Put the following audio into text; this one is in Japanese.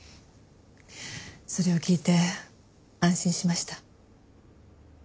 それを聞いて安心しました。